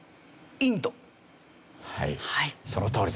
はいそのとおりですね。